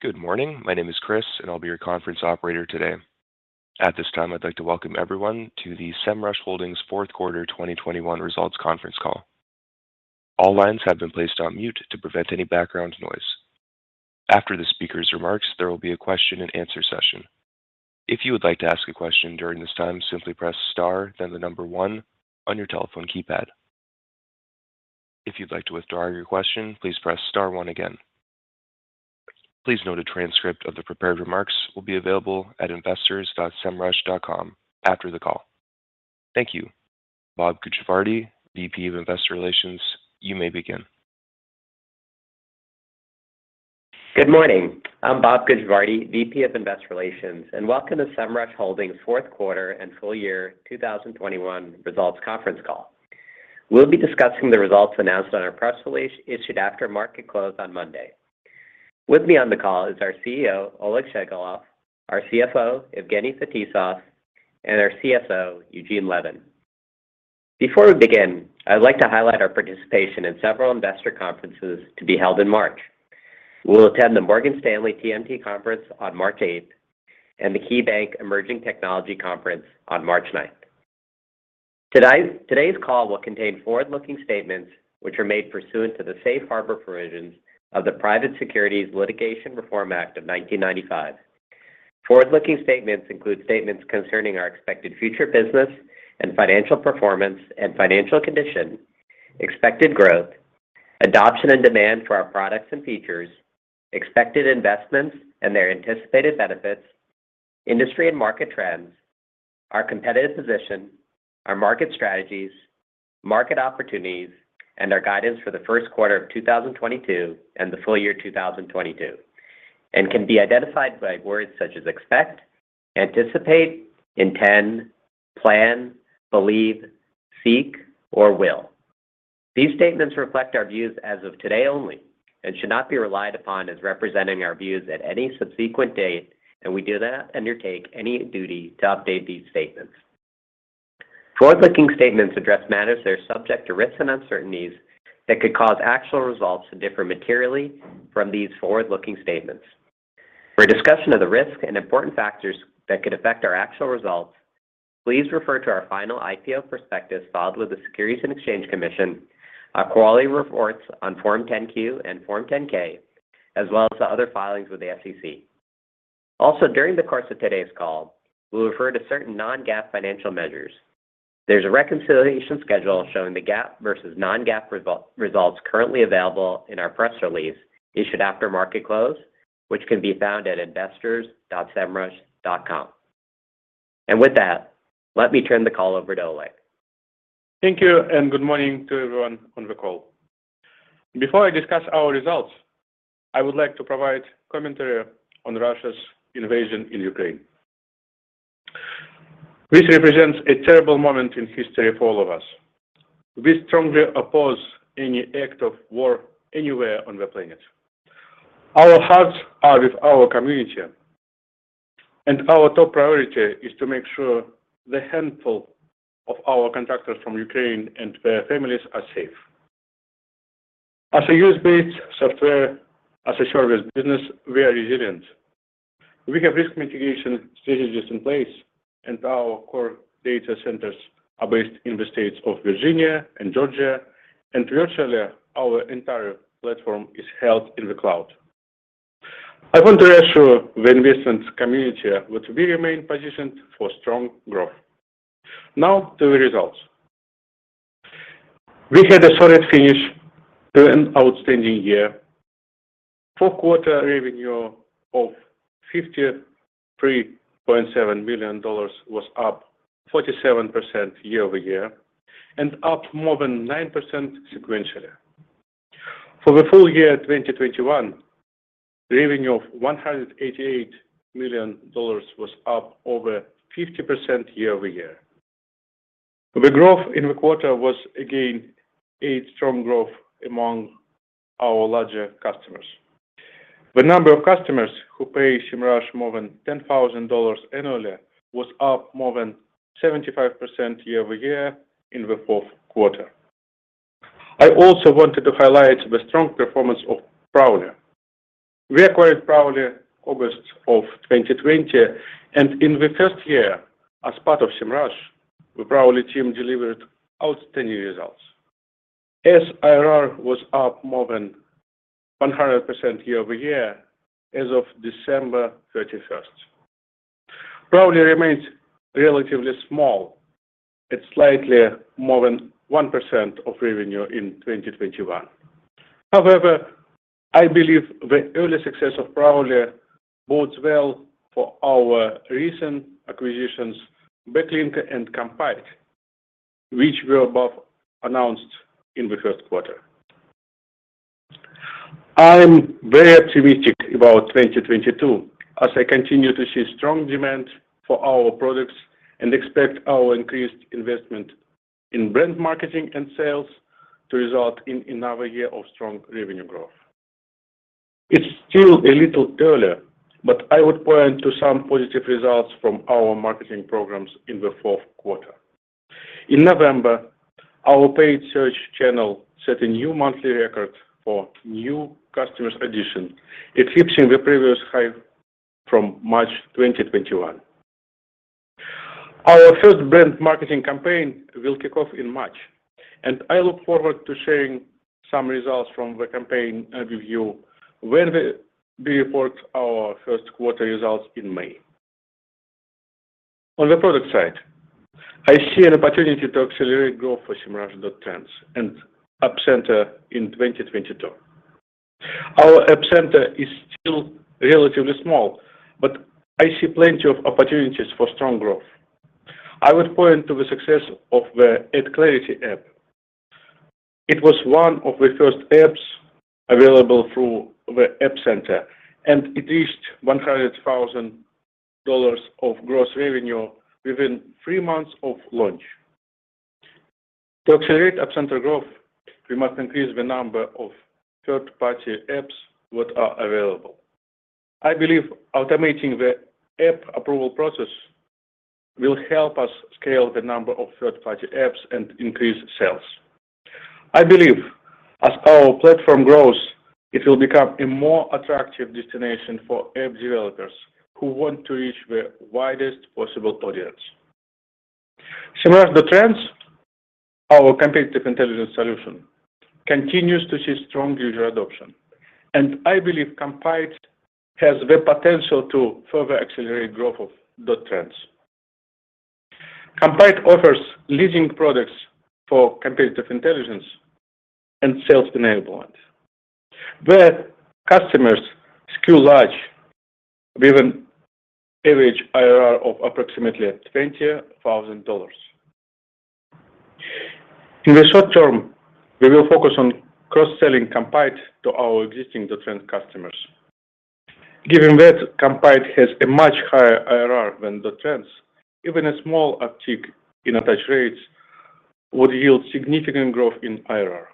Good morning. My name is Chris, and I'll be your conference operator today. At this time, I'd like to welcome everyone to the Semrush Holdings fourth quarter 2021 results conference call. All lines have been placed on mute to prevent any background noise. After the speaker's remarks, there will be a question and answer session. If you would like to ask a question during this time, simply press star, then the number one on your telephone keypad. If you'd like to withdraw your question, please press star one again. Please note a transcript of the prepared remarks will be available at investors.semrush.com after the call. Thank you. Bob Gujavarty, VP of Investor Relations, you may begin. Good morning. I'm Bob Gujavarty, VP of Investor Relations, and welcome to Semrush Holdings fourth quarter and full year 2021 results conference call. We'll be discussing the results announced on our press release issued after market close on Monday. With me on the call is our CEO, Oleg Shchegolev, our CFO, Evgeny Fetisov, and our CSO, Eugene Levin. Before we begin, I'd like to highlight our participation in several investor conferences to be held in March. We will attend the Morgan Stanley TMT Conference on March 8th and the KeyBanc Emerging Technology Conference on March 9th. Today's call will contain forward-looking statements which are made pursuant to the Safe Harbor provisions of the Private Securities Litigation Reform Act of 1995. Forward-looking statements include statements concerning our expected future business and financial performance and financial condition, expected growth, adoption and demand for our products and features, expected investments and their anticipated benefits, industry and market trends, our competitive position, our market strategies, market opportunities, and our guidance for the first quarter of 2022 and the full year 2022, and can be identified by words such as expect, anticipate, intend, plan, believe, seek, or will. These statements reflect our views as of today only and should not be relied upon as representing our views at any subsequent date, and we do not undertake any duty to update these statements. Forward-looking statements address matters that are subject to risks and uncertainties that could cause actual results to differ materially from these forward-looking statements. For a discussion of the risks and important factors that could affect our actual results, please refer to our final IPO prospectus filed with the Securities and Exchange Commission, our quarterly reports on Form 10-Q and Form 10-K, as well as the other filings with the SEC. Also, during the course of today's call, we'll refer to certain non-GAAP financial measures. There's a reconciliation schedule showing the GAAP versus non-GAAP results currently available in our press release issued after market close, which can be found at investors.semrush.com. With that, let me turn the call over to Oleg. Thank you and good morning to everyone on the call. Before I discuss our results, I would like to provide commentary on Russia's invasion in Ukraine. This represents a terrible moment in history for all of us. We strongly oppose any act of war anywhere on the planet. Our hearts are with our community, and our top priority is to make sure the handful of our contractors from Ukraine and their families are safe. As a U.S.-based software as a service business, we are resilient. We have risk mitigation strategies in place, and our core data centers are based in the states of Virginia and Georgia, and virtually our entire platform is held in the cloud. I want to assure the investment community that we remain positioned for strong growth. Now to the results. We had a solid finish to an outstanding year. Fourth quarter revenue of $53.7 million was up 47% year-over-year and up more than 9% sequentially. For the full year 2021, revenue of $188 million was up over 50% year-over-year. The growth in the quarter was again a strong growth among our larger customers. The number of customers who pay Semrush more than $10,000 annually was up more than 75% year-over-year in the fourth quarter. I also wanted to highlight the strong performance of Prowly. We acquired Prowly August of 2020, and in the first year as part of Semrush, the Prowly team delivered outstanding results. ARR was up more than 100% year-over-year as of December 31st. Prowly remains relatively small at slightly more than 1% of revenue in 2021. However, I believe the early success of Prowly bodes well for our recent acquisitions, Backlinko and Kompyte, which were both announced in the first quarter. I'm very optimistic about 2022 as I continue to see strong demand for our products and expect our increased investment in brand marketing and sales to result in another year of strong revenue growth. It's still a little early, but I would point to some positive results from our marketing programs in the fourth quarter. In November, our paid search channel set a new monthly record for new customers addition, eclipsing the previous high from March 2021. Our first brand marketing campaign will kick off in March, and I look forward to sharing some results from the campaign overview when we report our first quarter results in May. On the product side, I see an opportunity to accelerate growth for Semrush .Trends and App Center in 2022. Our App Center is still relatively small, but I see plenty of opportunities for strong growth. I would point to the success of the AdClarity app. It was one of the first apps available through the App Center, and it reached $100,000 of gross revenue within three months of launch. To accelerate App Center growth, we must increase the number of third-party apps that are available. I believe automating the app approval process will help us scale the number of third-party apps and increase sales. I believe as our platform grows, it will become a more attractive destination for app developers who want to reach the widest possible audience. Semrush .Trends, our competitive intelligence solution, continues to see strong user adoption, and I believe Kompyte has the potential to further accelerate growth of .Trends. Kompyte offers leading products for competitive intelligence and sales enablement. Their customers skew large with an average ARR of approximately $20,000. In the short term, we will focus on cross-selling Kompyte to our existing .Trends customers. Given that Kompyte has a much higher ARR than .Trends, even a small uptick in attach rates would yield significant growth in ARR.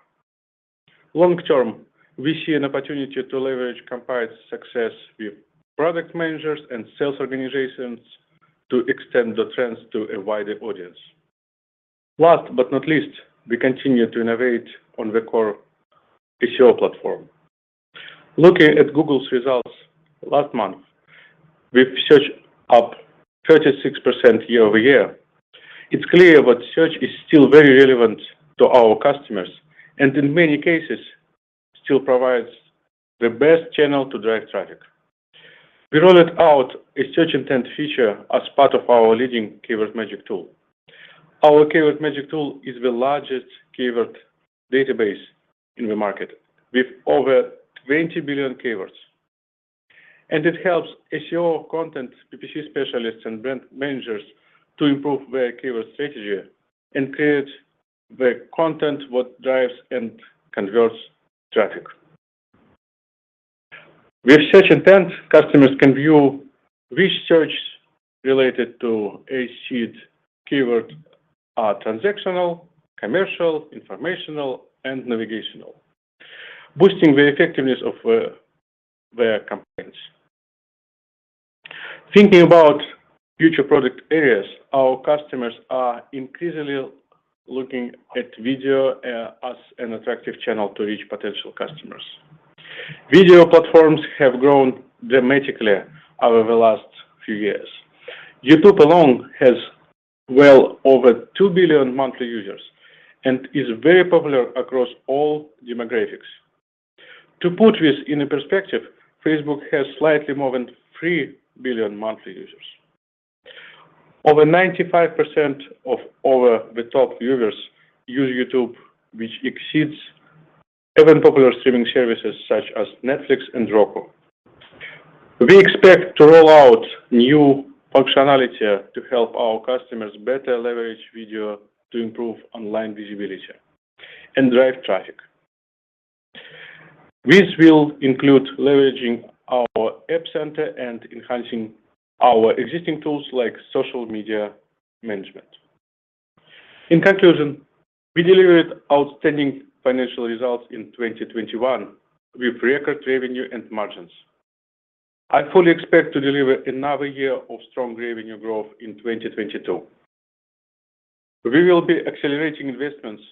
Long term, we see an opportunity to leverage Kompyte's success with product managers and sales organizations to extend the .Trends to a wider audience. Last but not least, we continue to innovate on the core SEO platform. Looking at Google's results last month, with search up 36% year-over-year, it's clear that search is still very relevant to our customers, and in many cases, still provides the best channel to drive traffic. We rolled out a search intent feature as part of our leading Keyword Magic Tool. Our Keyword Magic Tool is the largest keyword database in the market with over 20 billion keywords, and it helps SEO content PPC specialists and brand managers to improve their keyword strategy and create the content what drives and converts traffic. With search intent, customers can view which search related to a seed keyword are transactional, commercial, informational, and navigational, boosting the effectiveness of their campaigns. Thinking about future product areas, our customers are increasingly looking at video as an attractive channel to reach potential customers. Video platforms have grown dramatically over the last few years. YouTube alone has well over two billion monthly users and is very popular across all demographics. To put this into perspective, Facebook has slightly more than three billion monthly users. Over 95% of Over-the-Top viewers use YouTube, which exceeds even popular streaming services such as Netflix and Roku. We expect to roll out new functionality to help our customers better leverage video to improve online visibility and drive traffic. This will include leveraging our App Center and enhancing our existing tools like social media management. In conclusion, we delivered outstanding financial results in 2021 with record revenue and margins. I fully expect to deliver another year of strong revenue growth in 2022. We will be accelerating investments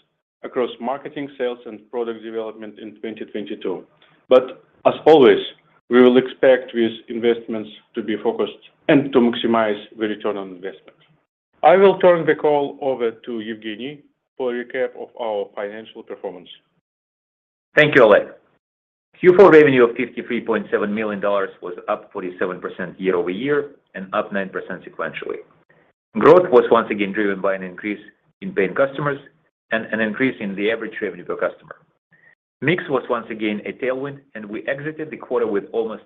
across marketing, sales, and product development in 2022. As always, we will expect these investments to be focused and to maximize the return on investment. I will turn the call over to Evgeny for a recap of our financial performance. Thank you, Oleg. Q4 revenue of $53.7 million was up 47% year-over-year and up 9% sequentially. Growth was once again driven by an increase in paying customers and an increase in the average revenue per customer. Mix was once again a tailwind, and we exited the quarter with almost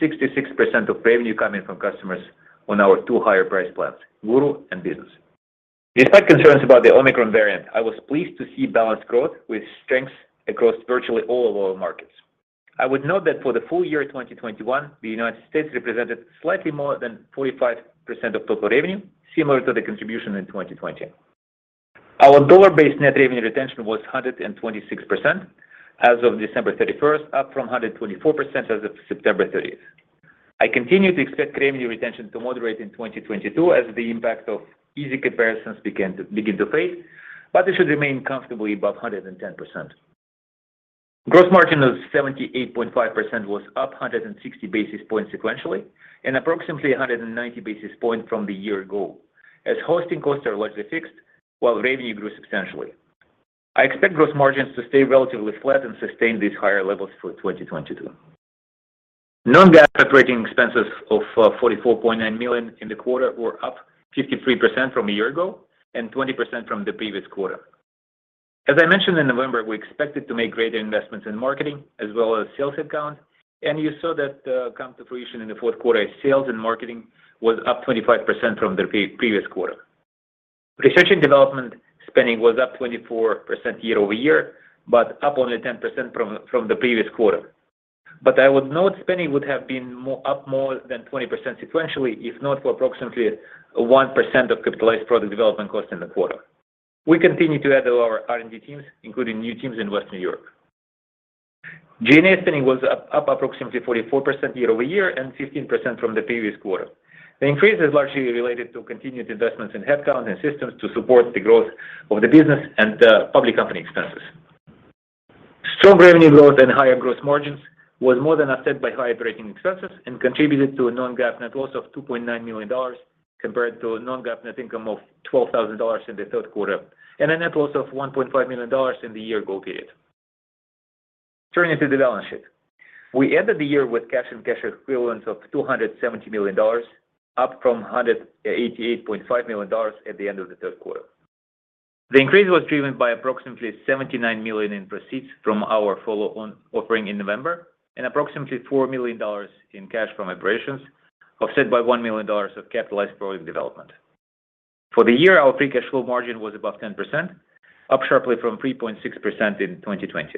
66% of revenue coming from customers on our two higher price plans, Guru and Business. Despite concerns about the Omicron variant, I was pleased to see balanced growth with strengths across virtually all of our markets. I would note that for the full year 2021, the United States represented slightly more than 45% of total revenue, similar to the contribution in 2020. Our dollar-based net revenue retention was 126% as of December 31st, up from 124% as of September 30th. I continue to expect revenue retention to moderate in 2022 as the impact of easy comparisons begin to fade, but it should remain comfortably above 110%. Gross margin of 78.5% was up 160 basis points sequentially, and approximately 190 basis points from the year ago, as hosting costs are largely fixed while revenue grew substantially. I expect gross margins to stay relatively flat and sustain these higher levels for 2022. non-GAAP operating expenses of $44.9 million in the quarter were up 53% from a year ago and 20% from the previous quarter. As I mentioned in November, we expected to make greater investments in marketing as well as sales headcount, and you saw that come to fruition in the fourth quarter as sales and marketing was up 25% from the previous quarter. Research and development spending was up 24% year-over-year, but up only 10% from the previous quarter. I would note spending would have been up more than 20% sequentially if not for approximately 1% of capitalized product development costs in the quarter. We continue to add to our R&D teams, including new teams in Western New York. G&A spending was up approximately 44% year-over-year and 15% from the previous quarter. The increase is largely related to continued investments in headcount and systems to support the growth of the business and public company expenses. Strong revenue growth and higher gross margins was more than offset by higher operating expenses and contributed to a non-GAAP net loss of $2.9 million, compared to a non-GAAP net income of $12,000 in the third quarter, and a net loss of $1.5 million in the year ago period. Turning to the balance sheet. We ended the year with cash and cash equivalents of $270 million, up from $188.5 million at the end of the third quarter. The increase was driven by approximately $79 million in proceeds from our follow-on offering in November and approximately $4 million in cash from operations, offset by $1 million of capitalized product development. For the year, our Free Cash Flow margin was above 10%, up sharply from 3.6% in 2020.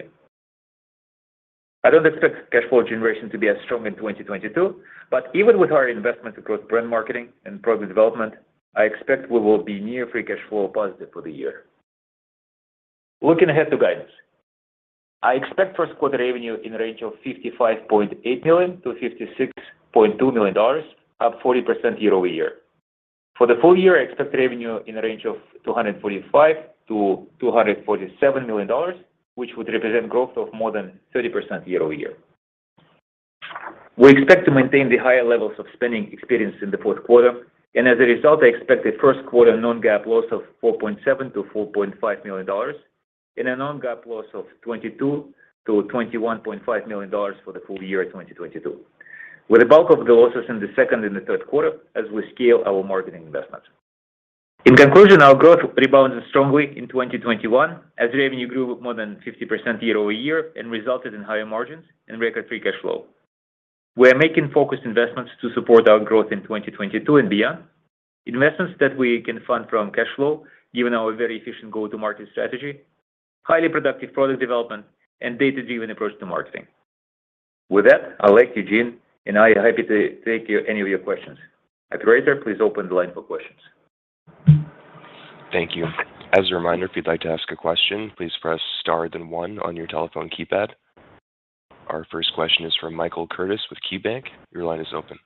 I don't expect cash flow generation to be as strong in 2022, but even with our investments across brand marketing and product development, I expect we will be near Free Cash Flow positive for the year. Looking ahead to guidance, I expect first quarter revenue in the range of $55.8 million-$56.2 million, up 40% year-over-year. For the full year, I expect revenue in the range of $245 million-$247 million, which would represent growth of more than 30% year-over-year. We expect to maintain the higher levels of spending experienced in the fourth quarter, and as a result, I expect a first quarter non-GAAP loss of $4.7 million to $4.5 million and a non-GAAP loss of $22 million to $21.5 million for the full year 2022, with the bulk of the losses in the second and the third quarter as we scale our marketing investments. In conclusion, our growth rebounded strongly in 2021 as revenue grew more than 50% year-over-year and resulted in higher margins and record free cash flow. We are making focused investments to support our growth in 2022 and beyond, investments that we can fund from cash flow given our very efficient go-to-market strategy, highly productive product development, and data-driven approach to marketing. With that, I'll let you, Eugene, and I am happy to take any of your questions. Operator, please open the line for questions. Thank you. As a reminder, if you'd like to ask a question, please press star then one on your telephone keypad. Our first question is from Michael Turits with KeyBanc. Your line is open.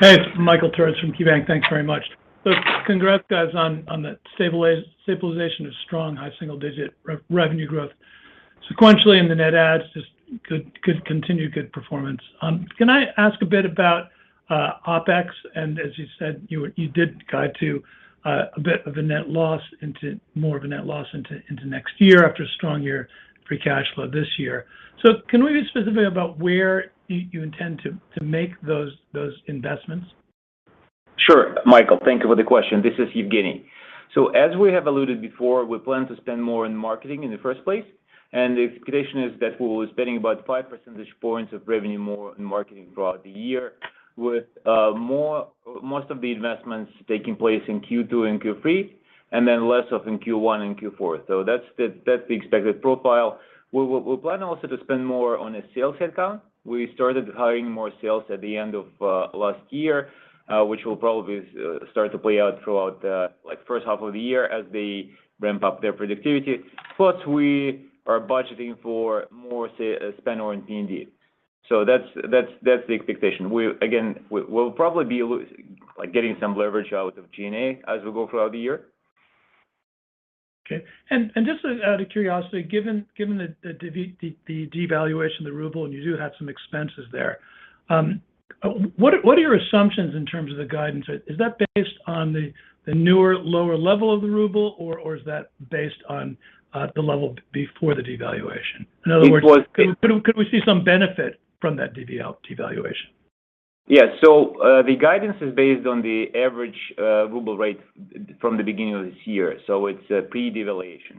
Hey, it's Michael Turits from KeyBanc. Thanks very much. Congrats, guys, on the stabilization of strong high single-digit revenue growth sequentially and the net adds, just good continued performance. Can I ask a bit about OpEx? As you said, you did guide to a bit more of a net loss into next year after a strong year Free Cash Flow this year. Can we be specific about where you intend to make those investments? Sure. Michael, thank you for the question. This is Evgeny. As we have alluded before, we plan to spend more in marketing in the first place. The expectation is that we will be spending about 5 percentage points of revenue more in marketing throughout the year with most of the investments taking place in Q2 and Q3, and then less of in Q1 and Q4. That's the expected profile. We'll plan also to spend more on a sales headcount. We started hiring more sales at the end of last year, which will probably start to play out throughout the like first half of the year as they ramp up their productivity. Plus we are budgeting for more spend on R&D. That's the expectation. Again, we'll probably be like getting some leverage out of G&A as we go throughout the year. Okay. Just out of curiosity, given the devaluation of the ruble, and you do have some expenses there, what are your assumptions in terms of the guidance? Is that based on the newer lower level of the ruble or is that based on the level before the devaluation? In other words, It was- Could we see some benefit from that devaluation? The guidance is based on the average ruble rate from the beginning of this year. It's pre-devaluation.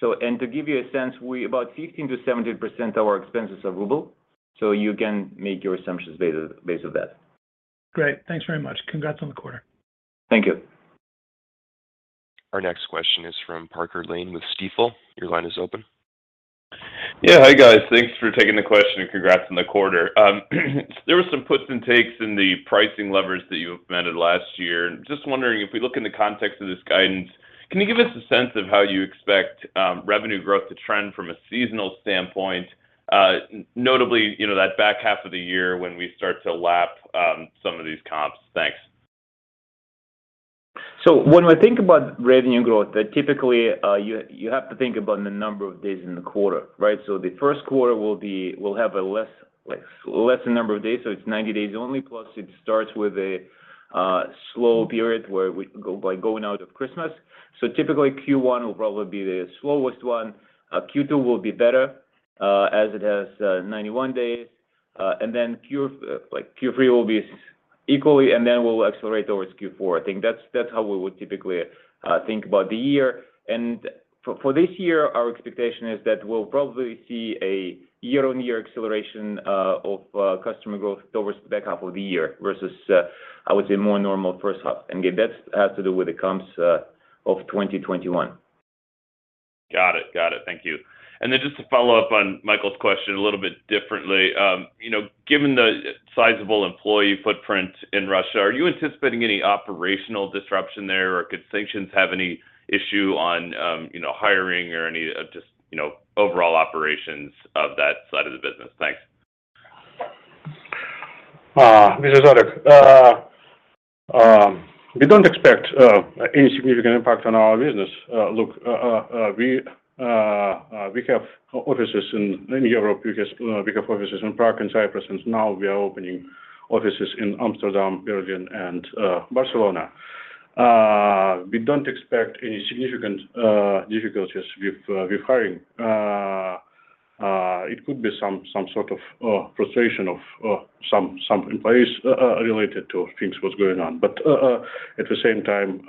To give you a sense, about 15%-17% of our expenses are ruble. You can make your assumptions based off that. Great. Thanks very much. Congrats on the quarter. Thank you. Our next question is from Parker Lane with Stifel. Your line is open. Yeah. Hi, guys. Thanks for taking the question and congrats on the quarter. There were some puts and takes in the pricing levers that you implemented last year. Just wondering, if we look in the context of this guidance Can you give us a sense of how you expect revenue growth to trend from a seasonal standpoint? Notably, you know, that back half of the year when we start to lap some of these comps. Thanks. When we think about revenue growth, typically, you have to think about the number of days in the quarter, right? The first quarter will have a lesser number of days, so it's 90 days only. Plus it starts with a slow period where we come out of Christmas. Typically Q1 will probably be the slowest one. Q2 will be better, as it has 91 days. And then Q3 will be equal, and then we'll accelerate towards Q4. I think that's how we would typically think about the year. For this year, our expectation is that we'll probably see a year-on-year acceleration of customer growth towards the back half of the year versus I would say more normal first half. That's to do with the comps of 2021. Got it. Thank you. Then just to follow up on Michael's question a little bit differently. You know, given the sizable employee footprint in Russia, are you anticipating any operational disruption there, or could sanctions have any issue on, you know, hiring or any just, you know, overall operations of that side of the business? Thanks. This is Oleg. We don't expect any significant impact on our business. Look, we have offices in many Europe. We have offices in Prague and Cyprus, and now we are opening offices in Amsterdam, Berlin, and Barcelona. We don't expect any significant difficulties with hiring. It could be some sort of frustration of some employees related to things, what's going on. At the same time,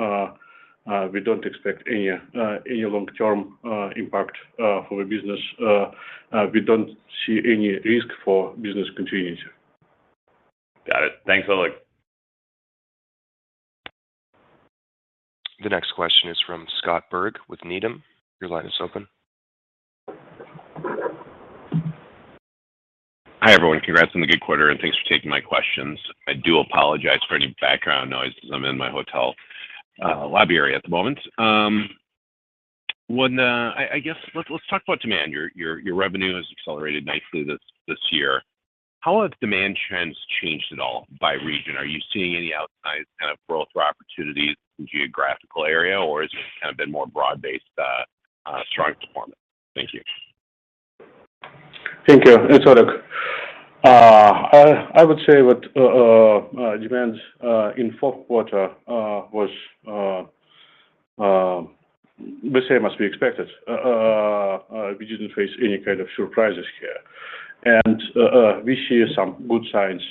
we don't expect any long-term impact for the business. We don't see any risk for business continuity. Got it. Thanks, Oleg. The next question is from Scott Berg with Needham. Your line is open. Hi, everyone. Congrats on the good quarter and thanks for taking my questions. I do apologize for any background noise because I'm in my hotel lobby area at the moment. I guess let's talk about demand. Your revenue has accelerated nicely this year. How have demand trends changed at all by region? Are you seeing any outsized kind of growth or opportunities in geographical area, or has it kind of been more broad-based strong performance? Thank you. Thank you. It's Oleg. I would say demand in fourth quarter was the same as we expected. We didn't face any kind of surprises here. We see some good signs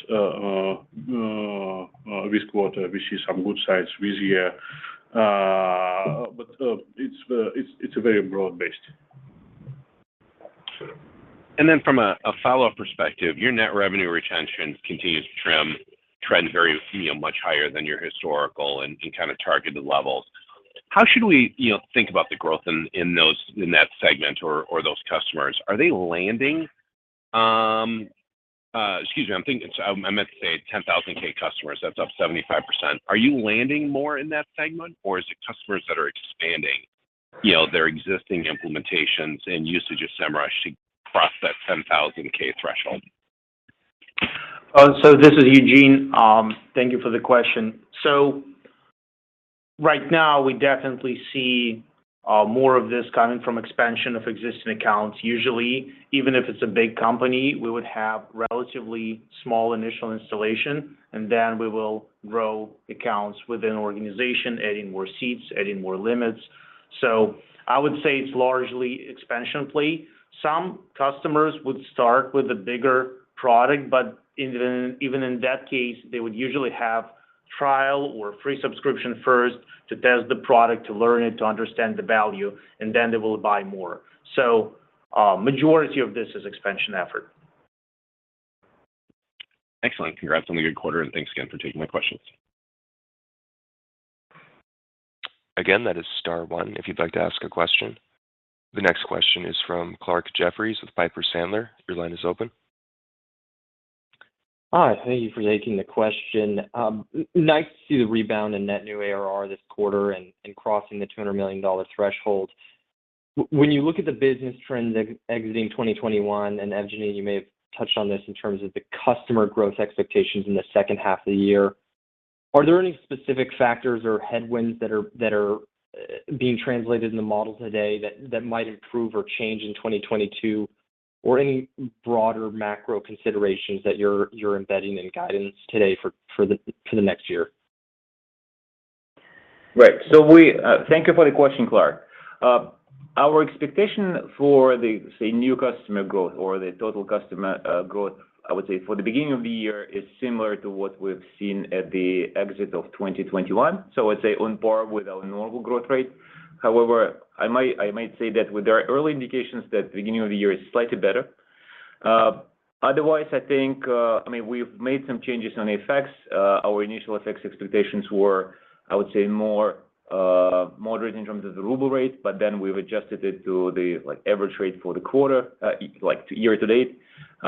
this quarter. We see some good signs this year. It's a very broad-based. From a follow-up perspective, your net revenue retention continues to trend very, you know, much higher than your historical and kind of targeted levels. How should we, you know, think about the growth in those, in that segment or those customers? Are they landing more in that segment or is it customers that are expanding, you know, their existing implementations and usage of Semrush to cross that 10,000 threshold? This is Eugene. Thank you for the question. Right now we definitely see more of this coming from expansion of existing accounts. Usually, even if it's a big company, we would have relatively small initial installation, and then we will grow accounts within an organization, adding more seats, adding more limits. I would say it's largely expansion play. Some customers would start with a bigger product, but even in that case, they would usually have trial or free subscription first to test the product, to learn it, to understand the value, and then they will buy more. Majority of this is expansion effort. Excellent. Congrats on the good quarter, and thanks again for taking my questions. Again, that is star one if you'd like to ask a question. The next question is from Clarke Jeffries with Piper Sandler. Your line is open. Hi. Thank you for taking the question. Nice to see the rebound in net new ARR this quarter and crossing the $200 million threshold. When you look at the business trends exiting 2021, and Eugene, you may have touched on this in terms of the customer growth expectations in the second half of the year, are there any specific factors or headwinds that are being translated in the model today that might improve or change in 2022 or any broader macro considerations that you're embedding in guidance today for the next year? Thank you for the question, Clarke. Our expectation for, say, new customer growth or the total customer growth, I would say for the beginning of the year is similar to what we've seen at the exit of 2021. I'd say on par with our normal growth rate. However, I might say that there are early indications that beginning of the year is slightly better. Otherwise, I think, I mean, we've made some changes on the FX effects. Our initial FX effects expectations were, I would say, more moderate in terms of the ruble rate, but then we've adjusted it to the, like, average rate for the quarter, like year to date,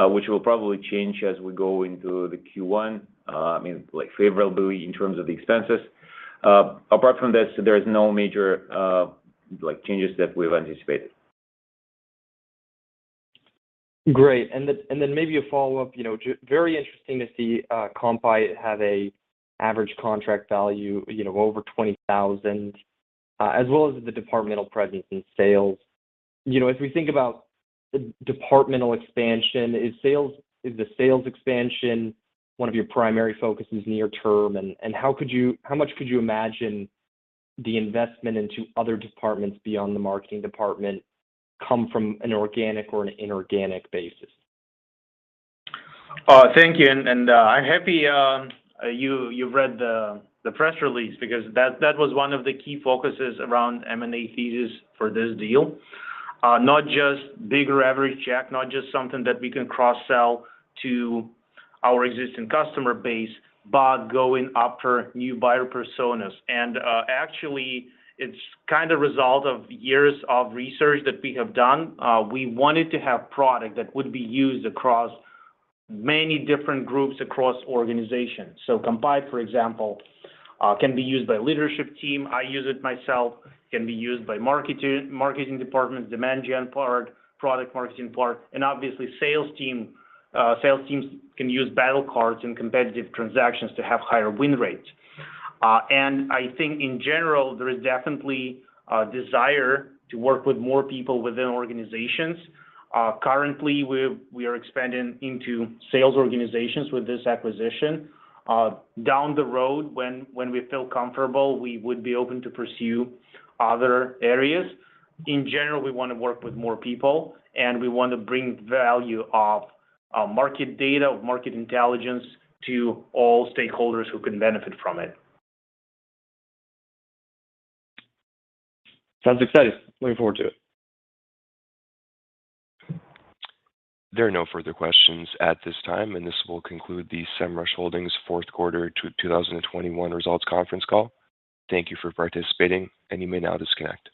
which will probably change as we go into the Q1, I mean, like favorably in terms of the expenses. Apart from this, there is no major, like, changes that we've anticipated. Great. Maybe a follow-up. You know, very interesting to see Kompyte have an average contract value, you know, over $20,000, as well as the departmental presence in sales. You know, if we think about departmental expansion, is the sales expansion one of your primary focuses near term? How much could you imagine the investment into other departments beyond the marketing department come from an organic or an inorganic basis? Thank you. I'm happy you read the press release because that was one of the key focuses around M&A thesis for this deal, not just bigger average check, not just something that we can cross-sell to our existing customer base, but going after new buyer personas. Actually, it's kind of result of years of research that we have done. We wanted to have product that would be used across many different groups across organizations. Kompyte, for example, can be used by leadership team. I use it myself. Can be used by marketing departments, demand gen part, product marketing part, and obviously sales team. Sales teams can use battle cards in competitive transactions to have higher win rates. I think in general, there is definitely a desire to work with more people within organizations. Currently, we are expanding into sales organizations with this acquisition. Down the road, when we feel comfortable, we would be open to pursue other areas. In general, we wanna work with more people, and we want to bring value of market data, of market intelligence to all stakeholders who can benefit from it. Sounds exciting. Looking forward to it. There are no further questions at this time, and this will conclude the Semrush Holdings fourth quarter 2021 results conference call. Thank you for participating, and you may now disconnect.